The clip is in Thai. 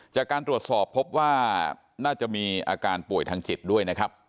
จากการตรวจสอบพบว่าน่าจะมีอาการป่วยทางจิตด้วยนะครับ